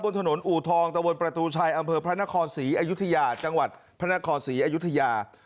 บนถนนอูทองตะวนประตูชัยอำเภอพระนครศรีอยุธยาจังหวัดพระนครศรีอยุธยา